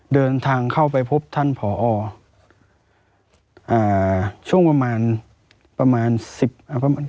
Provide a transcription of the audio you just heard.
เดินทางเข้าไปพบท่านผออ่าช่วงประมาณประมาณสิบอ่าประมาณ